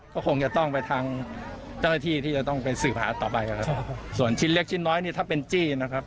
ก็คงจะต้องไปทางเจ้าหน้าที่ที่จะต้องไปสืบหาต่อไปนะครับส่วนชิ้นเล็กชิ้นน้อยนี่ถ้าเป็นจี้นะครับ